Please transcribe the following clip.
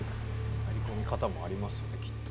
入り込み方もありますよねきっと。